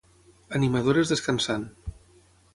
animadores descansant